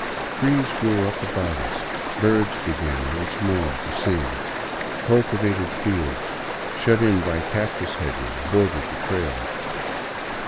Trees grew up about us, birds began once more to sing, cultivated fields shut in by cactus hedges bordered the trail.